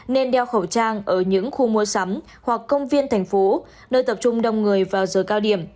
nên đeo khẩu trang ở những khu mua sắm hoặc công viên thành phố nơi tập trung đông người vào giờ cao điểm